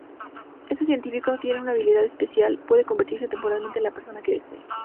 Este científico tiene una habilidad especial: puede convertirse temporalmente en la persona que desee.